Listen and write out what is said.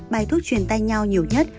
bài thuốc chuyển tay nhau nhiều nhất